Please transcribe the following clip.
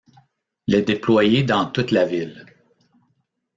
Les déployer dans toute la ville.